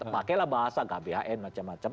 pakailah bahasa kbhn macam macam